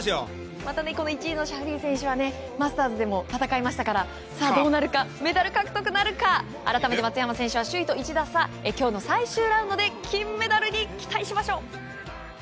また１位のシャフリー選手とはマスターズでも戦いましたからどうなるかメダル獲得なるか改めて松山選手は首位と１打差今日の最終ラウンドで金メダルに期待しましょう！